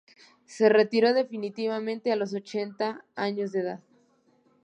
Se retiró definitivamente a los ochenta años de edad.